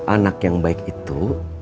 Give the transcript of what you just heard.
anak yang baik itu